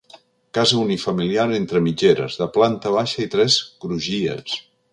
Casa unifamiliar entre mitgeres, de planta baixa i tres crugies.